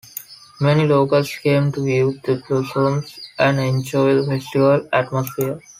Many locals came to view the blossoms and enjoy the festival atmosphere.